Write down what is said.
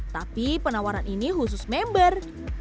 tapi penawaran ini khusus member